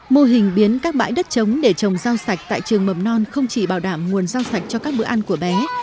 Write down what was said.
mô hình biến các bãi đất chống để trồng rau sạch tại trường mầm non không chỉ bảo đảm nguồn rau sạch cho các bữa ăn của bé